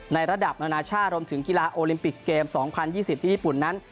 ระดับนานาชาติรวมถึงกีฬาโอลิมปิกเกม๒๐๒๐ที่ญี่ปุ่นนั้น